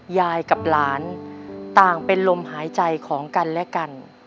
ยายกับหลานต่างเป็นลมหายใจของกันและกัน